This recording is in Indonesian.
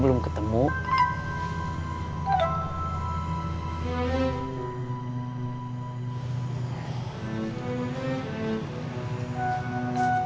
terus ma sekarang gimana